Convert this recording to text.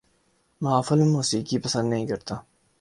محافل موسیقی پسند نہیں کرتا